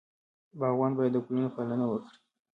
باغوان باید د ګلونو پالنه وکړي.